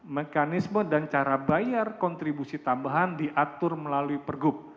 mekanisme dan cara bayar kontribusi tambahan diatur melalui pergub